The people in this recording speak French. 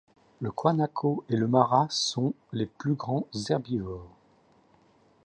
Le guanaco et le mara sont les plus grands herbivores.